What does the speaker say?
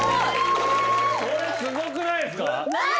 これすごくないですか。